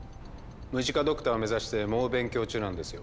ムジカドクターを目指して猛勉強中なんですよ。